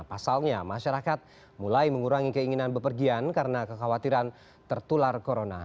pasalnya masyarakat mulai mengurangi keinginan bepergian karena kekhawatiran tertular corona